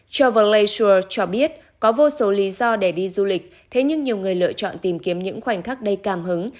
travel lasual cho biết có vô số lý do để đi du lịch thế nhưng nhiều người lựa chọn tìm kiếm những khoảnh khắc đầy cảm hứng